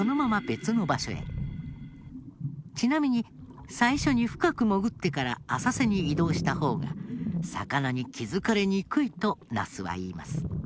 ちなみに最初に深く潜ってから浅瀬に移動した方が魚に気づかれにくいとナスは言います。